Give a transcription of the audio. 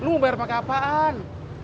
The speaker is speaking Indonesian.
gede lo mau bayar pake apaan